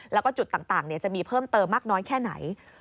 แล้วก็จุดต่างจะมีเพิ่มเติมมากน้อยแค่ไหน